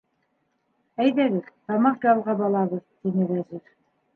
- Әйҙәгеҙ, тамаҡ ялғап алабыҙ, - тине Вәзир.